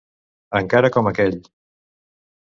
Encara com aquell.